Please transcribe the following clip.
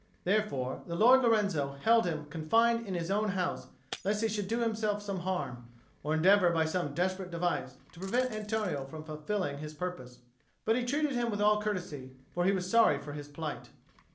Therefore the Lord Lorenzo held him confined in his own house, lest he should do himself some harm, or endeavour by some desperate device to prevent Antonio from fulfilling his purpose; but he treated him with all courtesy, for he was sorry for his plight.